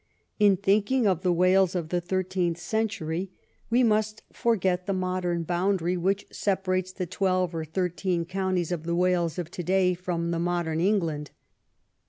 In thinking of the Wales of the thirteenth century, we must forget the I EARLY YEARS 17 modern boundary Avhich separates the twelve or thirteen counties of the Wales of to day from the modern England.